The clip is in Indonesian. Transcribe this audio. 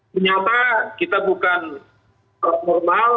menyapa kita bukan normal